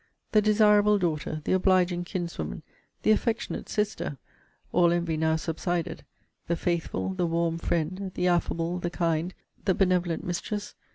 The desirable daughter; the obliging kinswoman; the affectionate sister, (all envy now subsided!) the faithful, the warm friend; the affable, the kind, the benevolent mistress!